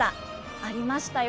ありましたよ。